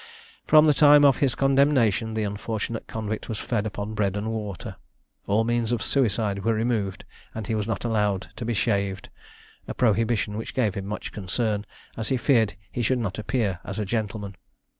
From the time of his condemnation, the unfortunate convict was fed upon bread and water. All means of suicide were removed, and he was not allowed to be shaved; a prohibition which gave him much concern, as he feared he should not appear as a gentleman.